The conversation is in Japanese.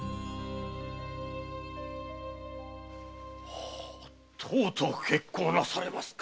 おおとうとう決行なされますか。